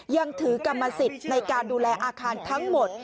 ยังถือกรรมสิทธิ์ในการดูแลอาคารทั้งหมด